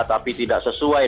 tapi tidak sesuai